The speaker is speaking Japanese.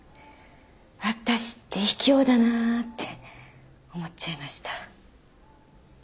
私ってひきょうだな」って思っちゃいました。